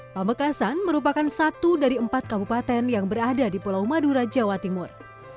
pamekasan merupakan satu dari empat kabupaten yang berada di pulau madura jawa timur